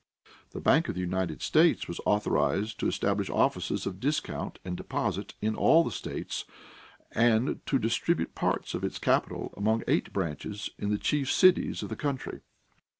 The Bank of the United States was authorized to establish offices of discount and deposit in all the states and to distribute parts of its capital among eight branches in the chief cities of the country.